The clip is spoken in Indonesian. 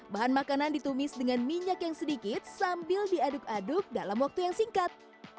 bahan makanan ditumis dengan minyak yang sedikit sambil diaduk aduk dalam waktu yang singkat